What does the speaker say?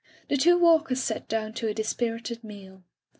The two Walkers sat down to a dispirited meal.